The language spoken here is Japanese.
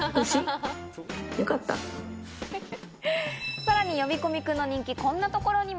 さらに呼び込み君の人気、こんなところにも。